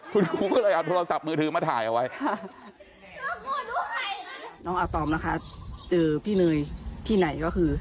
คุณครูก็เลยเอาโทรศัพท์มือถือมาถ่ายเอาไว้น้องอาตอมนะคะเจอพี่เนยที่ไหนก็คือ